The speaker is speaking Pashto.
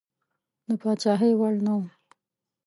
د پاچهي وړ نه وو.